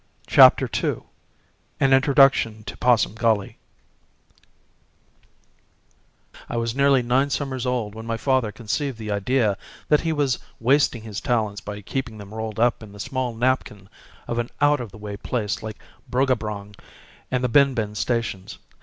CHAPTER TWO An Introduction to Possum Gully I was nearly nine summers old when my father conceived the idea that he was wasting his talents by keeping them rolled up in the small napkin of an out of the way place like Bruggabrong and the Bin Bin stations.